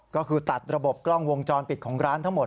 ก็คือตัดระบบกล้องวงจรปิดของร้านทั้งหมด